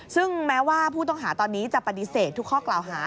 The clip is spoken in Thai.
ซึ่งแม้ว่าผู้ต้องหาตอนนี้จะปฏิเสธทุกข้อกล่าวหา